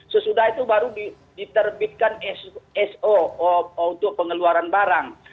sesudah itu baru diterbitkan so untuk pengeluaran barang